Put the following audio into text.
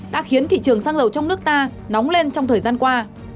đã khiến thị trường xăng dầu trong nước ta nóng lên trong thời gian qua